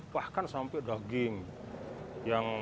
bahkan sampai daging